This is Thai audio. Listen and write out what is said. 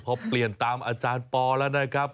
พอเปลี่ยนตามอาจารย์ปอแล้วนะครับ